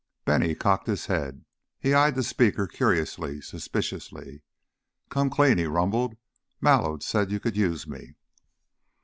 Bennie cocked his head, he eyed the speaker curiously, suspiciously. "Come clean," he rumbled. "Mallow said you could use me."